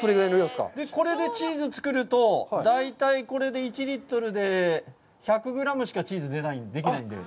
これでチーズ作ると、大体、これで１リットルで１００グラムしかチーズできないので。